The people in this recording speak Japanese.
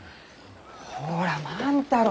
ほら万太郎！